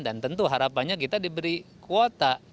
dan tentu harapannya kita diberi kuota